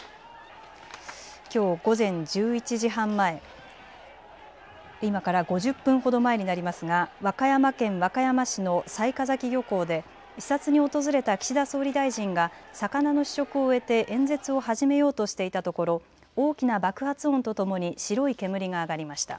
きょう午前１１時半前、今から５０分ほど前になりますが和歌山県和歌山市の雑賀崎漁港で視察に訪れた岸田総理大臣が魚の試食を終えて演説を始めようとしていたところ大きな爆発音とともに白い煙が上がりました。